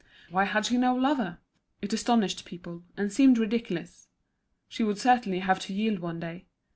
Why had she no lover? It astonished people, and seemed ridiculous. She would certainly have to yield one day.